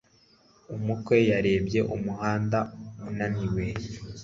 umukwe yarebye umuhanda unaniwe